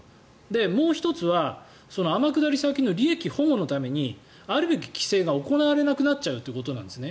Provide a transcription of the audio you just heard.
もう１つは天下り先の利益保護のためにあるべき規制が行われなくなっちゃうということなんですね。